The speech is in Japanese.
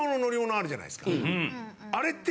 あれって。